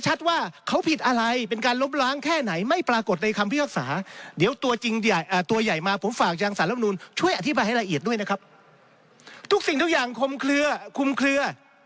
ช่วยอธิบายให้ละเอียดด้วยนะครับทุกสิ่งทุกอย่างคุมเคลือ